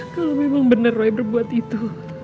kalau memang benar roy berbuat itu